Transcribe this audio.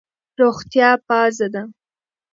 روغتیا پازه ده.